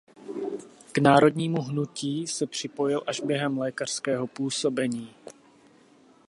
K národnímu hnutí se připojil až během lékařského působení.